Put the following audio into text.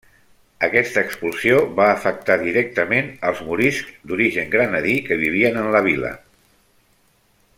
Aquesta expulsió va afectar directament als moriscs d'origen granadí que vivien en la vila.